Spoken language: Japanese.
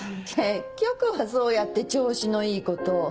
結局はそうやって調子のいいこと。